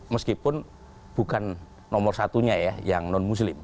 meskipun bukan nomor satunya ya yang non muslim